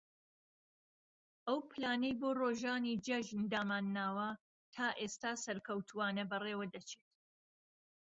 ئەو پلانەی بۆ رۆژانی جەژن دامانناوە تائێستا سەرکەوتووانە بەڕێوە دەچێت